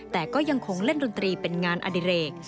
แต่ก็ยังคงเล่นดนตรีเป็นงานอดิเรก